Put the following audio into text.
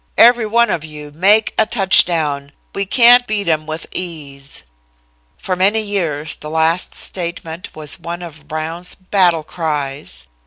Every one of you make a touchdown. We can beat 'em with ease." For many years the last statement was one of Brown's battle cries.